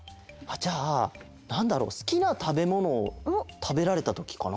じゃあなんだろうすきなたべものをたべられたときかな？